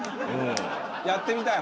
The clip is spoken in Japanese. やってみたい。